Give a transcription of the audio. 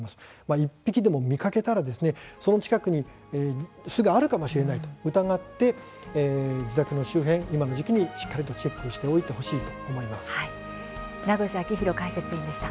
１匹でも見かけたらその近くに巣があるかもしれないと疑って自宅の周辺、今の時期にしっかり名越章浩解説委員でした。